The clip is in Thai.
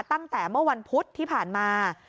ตั้งแต่เมื่อวันพุธที่ผ่านมา